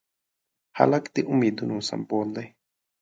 هلک د امیدونو سمبول دی.